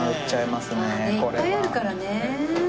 まあねいっぱいあるからね。